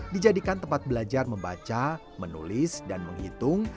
dijadikan tempat belajar membaca menulis dan menghitung